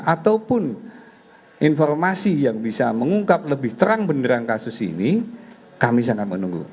ataupun informasi yang bisa mengungkap lebih terang benerang kasus ini kami sangat menunggu